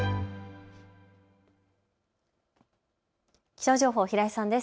気象情報、平井さんです。